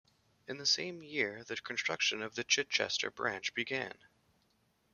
In the same year the construction of the Chichester branch began.